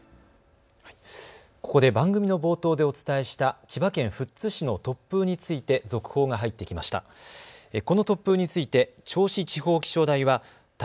ここで番組の冒頭でお伝えした千葉県富津市の突風について続報が入ってきました。